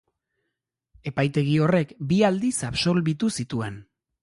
Epaitegi horrek bi aldiz absolbitu zituen.